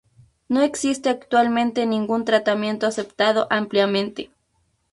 No existe actualmente ningún tratamiento aceptado ampliamente.